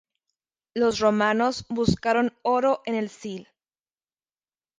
Los romanos buscaron oro en el Sil.